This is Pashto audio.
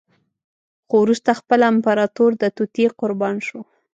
خو وروسته خپله امپراتور د توطیې قربان شو.